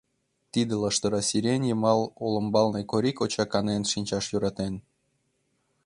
Тыште лаштыра сирень йымал олымбалне Кори коча канен шинчаш йӧратен.